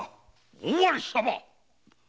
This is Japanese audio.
尾張様！